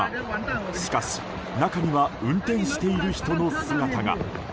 しかし、中には運転している人の姿が。